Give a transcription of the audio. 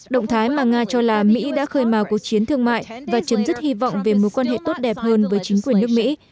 động thái mà nga cho là mỹ đã khơi màu cuộc chiến thương mại và chấm dứt hy vọng về mối quan hệ tốt đẹp hơn với chính quyền nước mỹ